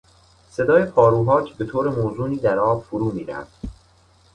صدای پاروها که به طور موزونی در آب فرو میرفت.